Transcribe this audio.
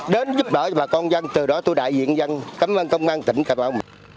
đến giúp đỡ bà con dân từ đó tôi đại diện dân cảm ơn công an tỉnh cà mau